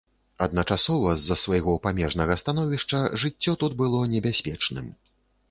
Адначасова, з-за свайго памежнага становішча жыццё тут было небяспечным.